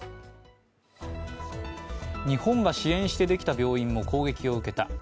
日本が支援してできた病院も攻撃を受けた。